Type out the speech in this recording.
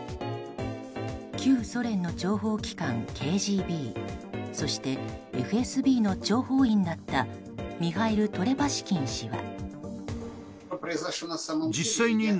旧ソ連の諜報機関ＫＧＢそしてＦＳＢの諜報員だったミハイル・トレパシキン氏は。